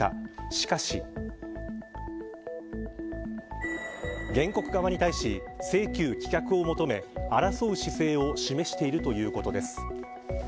しかし。原告側に対し、請求棄却を求め争う姿勢を示しているということです。